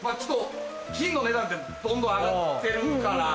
金の値段ってどんどん上がってるから。